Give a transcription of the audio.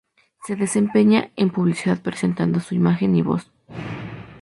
Se desempeña en publicidad prestando su imagen y voz.